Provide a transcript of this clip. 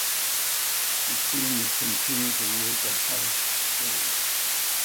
The team would continue to work at house shows.